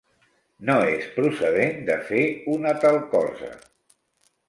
No és procedent de fer una tal cosa.